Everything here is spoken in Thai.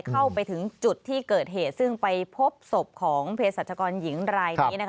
เข้าไปถึงจุดที่เกิดเหตุซึ่งไปพบศพของเพศรัชกรหญิงรายนี้นะคะ